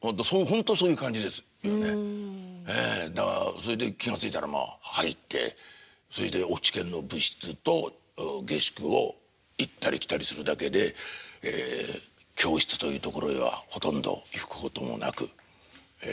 それで気が付いたらまあ入ってそれで落研の部室と下宿を行ったり来たりするだけで教室というところへはほとんど行くこともなくええ